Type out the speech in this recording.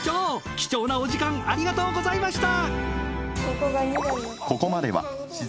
貴重なお時間ありがとうございました。